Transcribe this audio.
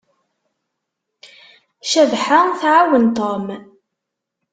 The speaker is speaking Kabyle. Cabḥa tɛawen Tom.